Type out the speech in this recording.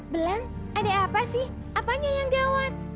belang ada apa sih apanya yang gawat